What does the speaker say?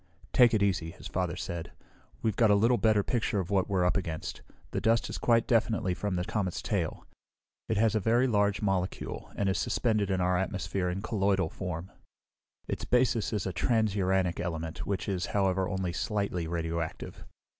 "Take it easy," his father said. "We've got a little better picture of what we're up against. The dust is quite definitely from the comet's tail. It has a very large molecule, and is suspended in our atmosphere in colloidal form. Its basis is a transuranic element, which is, however, only slightly radioactive.